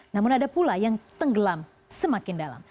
namun ada pula yang tenggelam semakin dalam